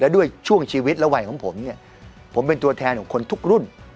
ด้วยช่วงชีวิตและวัยของผมเนี่ยผมเป็นตัวแทนของคนทุกรุ่น